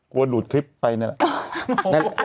กลัวดูดคลิปไปเนี่ย